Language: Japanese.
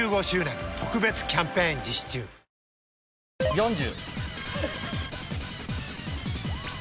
４０。